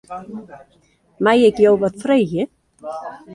Mei ik jo wat freegje?